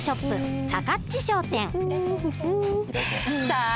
さあ